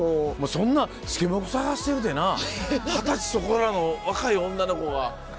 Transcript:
そんなシケモク探してるてな二十歳そこらの若い女の子が。